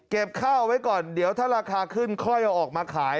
ข้าวไว้ก่อนเดี๋ยวถ้าราคาขึ้นค่อยเอาออกมาขาย